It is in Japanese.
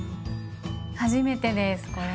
初めてですこれ。